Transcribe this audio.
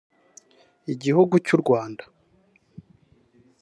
Igihugu cy’u Rwanda